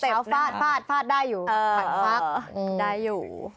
เช้าฟาดฟาดฟาดได้อยู่อ่าฟัดฟักได้อยู่